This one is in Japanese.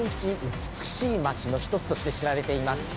美しい町の一つとして知られています。